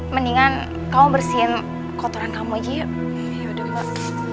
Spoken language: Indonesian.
mendingan kamu bersihin kotoran kamu aja yuk